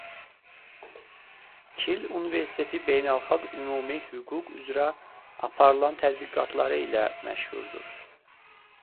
Kil Universiteti beynəlxalq ümumi hüquq üzrə aparılan tədqiqatları ilə məşhurdur.